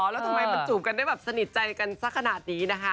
แล้วทำไมมันจูบกันได้แบบสนิทใจกันสักขนาดนี้นะคะ